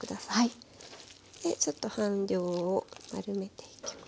ちょっと半量を丸めていきます。